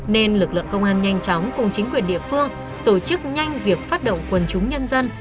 nên lực lượng công an nhanh chóng cùng chính quyền địa phương tổ chức nhanh việc phát động quần chúng nhân dân